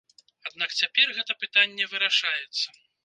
Аднак цяпер гэта пытанне вырашаецца.